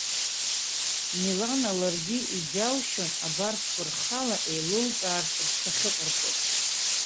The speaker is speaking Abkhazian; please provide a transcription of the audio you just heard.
Милана ларгьы иџьалшьон абарҭқәа рхала еилылкаартә рҽахьыҟарҵоз.